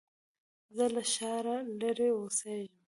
زه له ښاره لرې اوسېږم